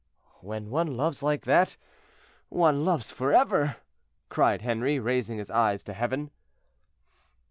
"When one loves like that, one loves forever," cried Henri, raising his eyes to heaven.